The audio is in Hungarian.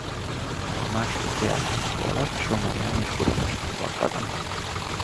A második világháború alatt Somorján és Budapesten volt katona.